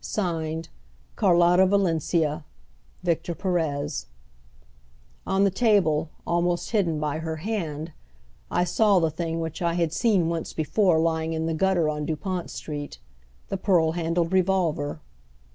Signed, Carlotta Valencia. Victor Perez." On the table, almost hidden by her hand, I saw the thing which I had seen once before lying in the gutter on Dupont Street the pearl handled revolver.